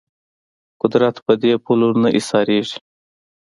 قدرت په دې پولو نه ایسارېږي